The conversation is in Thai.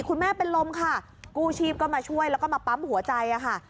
คุณแม่เป็นลมค่ะกู้ชีพก็มาช่วยแล้วก็มาปั๊มหัวใจค่ะ